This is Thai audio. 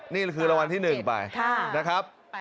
นี่คือรางวัลที่๑ไปนะครับ